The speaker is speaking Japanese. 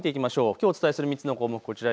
きょうお伝えする３つの項目。